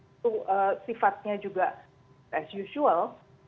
itu sifatnya juga as usual